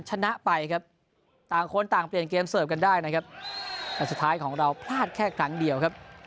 ชนะไปครับต่างคนต่างเปลี่ยนเกมเสิร์ฟกันได้นะครับแต่สุดท้ายของเราพลาดแค่ครั้งเดียวครับ